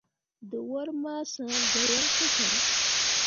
Dǝwor ma sãã gbo yaŋ pu sah.